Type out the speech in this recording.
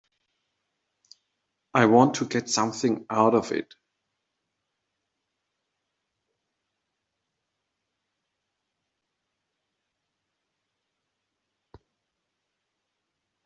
I want to get something out of it.